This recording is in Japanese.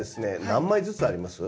何枚ずつあります？